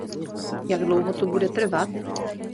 Jak dlouho to bude trvat?